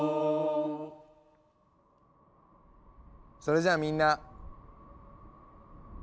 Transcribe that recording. それじゃあみんな。